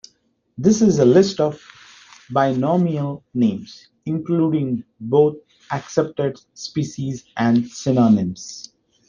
This is a list of binomial names, including both accepted species and synonyms.